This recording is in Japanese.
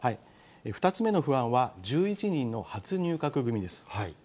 ２つ目の不安は、１１人の初入閣組です。